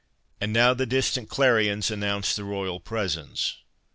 And now the distant clarions announced the Royal Presence.